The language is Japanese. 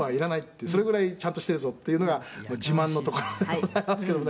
「それぐらいちゃんとしているぞっていうのが自慢のところでございますけどもね」